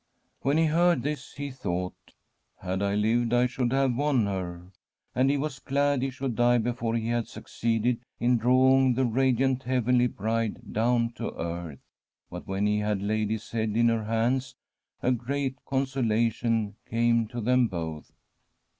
When he heard this he thought :* Had I lived Santa CATERINA 0/ SIENA I should have won her '; and he was glad he should die before he had succeeded in drawing the radiant heavenly bride down to earth. But when he had laid his head in her hands, a great conso lation came to them both.